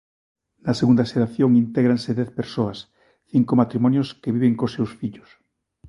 Na segunda xeración intégranse dez persoas, cinco matrimonios que viven cos seus fillos.